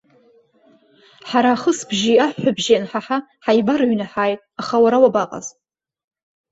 Ҳара ахысыбжьи аҳәҳәабжьи анҳаҳа, ҳаибарыҩны ҳааит, аха уара уабаҟаз?